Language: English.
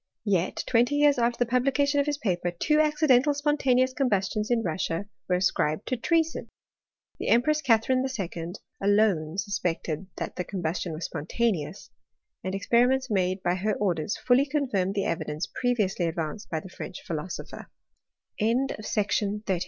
Yet, twenty years after the publication of his paper, two accidental spontaneous combustions, in Russia, were ascribed to treason. The empress Catharine II. alone suspected that the combustion was spontaneous, and experi ments made by her orders fully confirmed the evidence previously advanced by the French ph